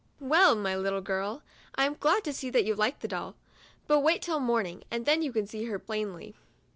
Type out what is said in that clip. " Well, my little girl, I am glad to see that you like the doll ; but wait till morn ing, and then you can see her plainly."